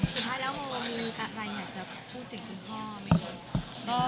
สุดท้ายแล้วโมมีอะไรอยากจะพูดถึงคุณพ่อไหมคะ